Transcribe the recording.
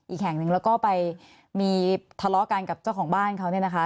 อีกแห่งหนึ่งแล้วก็ไปมีทะเลาะกันกับเจ้าของบ้านเขาเนี่ยนะคะ